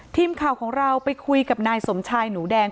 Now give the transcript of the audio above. ทีมข่าวของเราไปคุยกับนายสมชายหนูแดง